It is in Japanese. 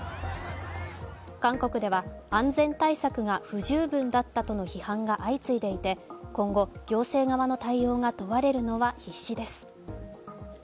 韓国では、安全対策が不十分だったとの批判が相次いでいて、今後、行政側の対応が問われるのは必至です。